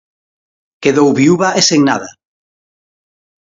Quedou viúva e sen nada.